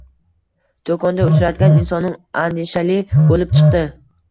Do’konda uchratgan insonim andishali bo’lib chiqdi.